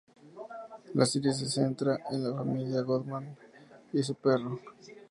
La serie se centra en la familia Goodman y su perro, Mr.